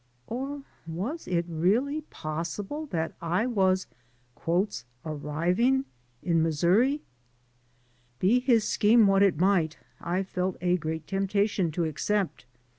Or was it really possible that I was "arriving" in Missouri? Be his scheme what it might, I felt a great temptation to accept.